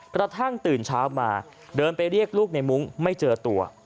กระทั่งตื่นเช้ามาเดินไปเรียกลูกในมุ้งไม่เจอตัว